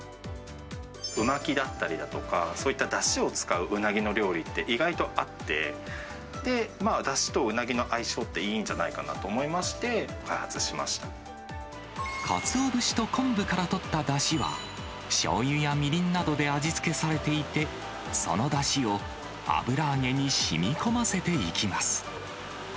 う巻きだったりだとか、そういっただしを使ううなぎの料理って意外とあって、で、だしとうなぎの相性っていいんじゃないかなと思いまして、開発しカツオ節と昆布からとっただしは、しょうゆやみりんなどで味付けされていて、そのだしを油揚げにしみこませていきます。